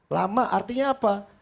lama artinya apa